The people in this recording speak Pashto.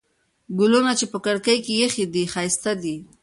ګلونه چې په کړکۍ کې ایښي دي، ښایسته دي.